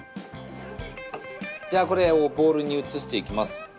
じゃあこれをボウルに移していきます。